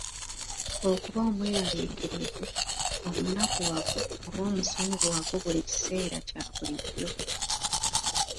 Okuba omweraliikirivu, omunakuwavu oba omusunguwavu buli kiseera kya bulijjo.